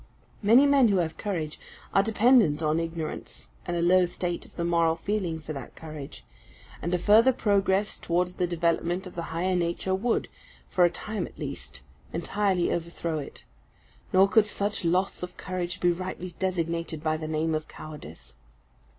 Many men who have courage, are dependent on ignorance and a low state of the moral feeling for that courage; and a further progress towards the development of the higher nature would, for a time at least, entirely overthrow it. Nor could such loss of courage be rightly designated by the name of cowardice.